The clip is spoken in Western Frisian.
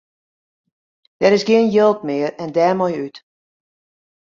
Der is gjin jild mear en dêrmei út.